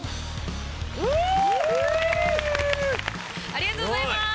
ありがとうございます！